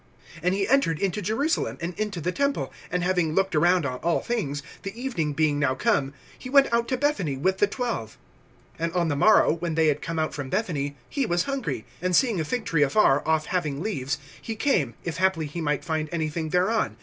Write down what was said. (11)And he entered into Jerusalem, and into the temple; and having looked around on all things, the evening being now come, he went out to Bethany with the twelve. (12)And on the morrow, when they had come out from Bethany, he was hungry. (13)And seeing a fig tree afar off having leaves, he came, if haply he might find anything thereon.